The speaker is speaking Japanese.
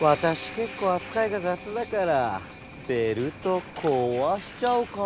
けっこうあつかいがざつだからベルトこわしちゃうかも。